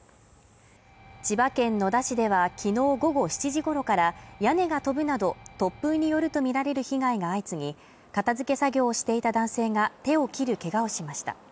千葉県野田市ではきのう午後７時ごろから屋根が飛ぶなど突風によるとみられる被害が相次ぎ、片付け作業をしていた男性が手を切るけがをしました。